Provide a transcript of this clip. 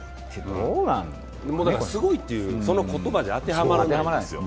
すごいという、その言葉じゃ当てはまらないですよ。